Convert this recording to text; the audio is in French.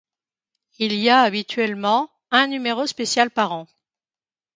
Il y a habituellement un numéro spécial par an.